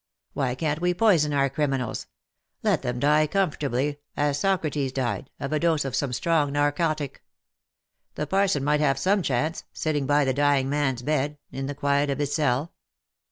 Why can't we poison our criminals : let them die comfortably, as Socrates died, of a dose of some strong narcotic. The parson might have some chance — sitting by the dying man's bed, in the quiet of his cell."